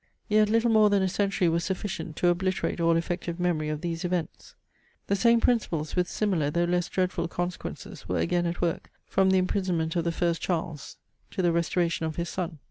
Yet little more than a century was sufficient to obliterate all effective memory of these events. The same principles with similar though less dreadful consequences were again at work from the imprisonment of the first Charles to the restoration of his son.